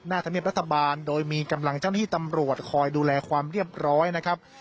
ธรรมเนียบรัฐบาลโดยมีกำลังเจ้าหน้าที่ตำรวจคอยดูแลความเรียบร้อยนะครับ